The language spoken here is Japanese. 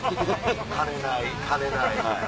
「金ない